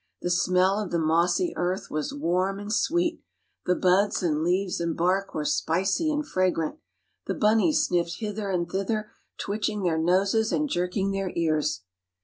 The smell of the mossy earth was warm and sweet. The buds and leaves and bark were spicy and fragrant. The bunnies sniffed hither and thither, twitching their noses and jerking their ears.